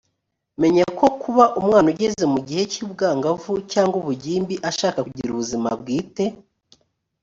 menya ko kuba umwana ugeze mu gihe cy ubwangavu cyangwa ubugimbi ashaka kugira ubuzima bwite